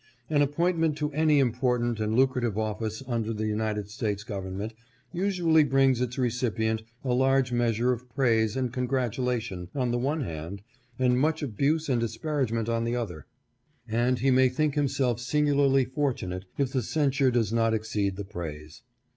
An appointment to any important and lucrative office under the United States government usually brings its 512 HIS APPOINTMENT AS U. S. MAKSHAL recipient a large measure of praise and congratulation on the one hand, and much abuse and disparagement on the other; and he may think himself singularly fortunate if the censure does not exceed the praise.